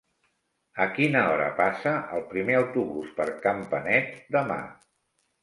A quina hora passa el primer autobús per Campanet demà?